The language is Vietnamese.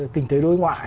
kinh tế đối ngoại